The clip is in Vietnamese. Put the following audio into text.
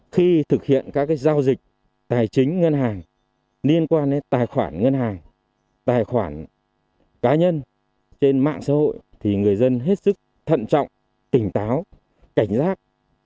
khi thực hiện các giao dịch tài chính ngân hàng liên quan đến tài khoản ngân hàng tài khoản cá nhân trên mạng xã hội thì người dân hết sức thận trọng tỉnh táo cảnh giác